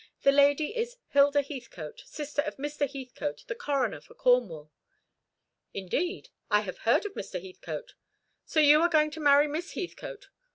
The lady is Hilda Heathcote, sister of Mr. Heathcote, the coroner for Cornwall." "Indeed! I have heard of Mr. Heathcote. So you are going to marry Miss Heathcote?